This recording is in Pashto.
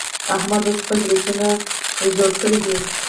احمد اوس خپل برېتونه څوړ کړي دي.